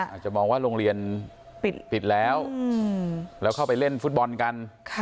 อาจจะมองว่าโรงเรียนปิดแล้วแล้วเข้าไปเล่นฟุตบอลกัน